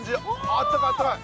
あったかいあったかい！